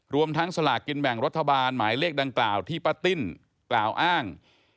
รวมทั้งสลากกินแบ่งรัฐบาลหมายเลขดังกล่าวที่ป้าติ้นกล่าวอ้าง